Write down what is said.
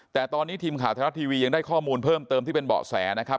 แต่ตอนนี้ทีมข่าวไทยรัฐทีวียังได้ข้อมูลเพิ่มเติมที่เป็นเบาะแสนะครับ